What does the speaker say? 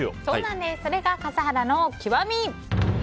それが笠原の極み。